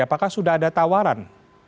apakah sudah ada tawaran